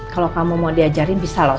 kalau kamu mau diajarin bisa loh